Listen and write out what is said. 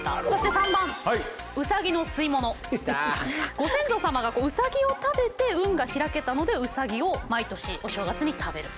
ご先祖様がウサギを食べて運が開けたのでウサギを毎年お正月に食べる。